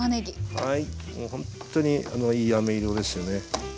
はいもうほんとにいいあめ色ですよね。